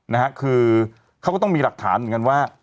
นะฮะคือเขาก็ต้องมีหลักฐานเหมือนกันว่า